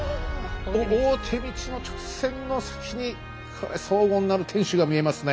大手道の直線の先にこれ荘厳なる天主が見えますね。